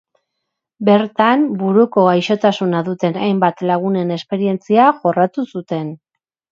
Bertan, buruko gaixotasuna duten hainbat lagunen esperientzia jorratu zuten.